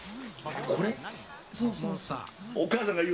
そうそうそう。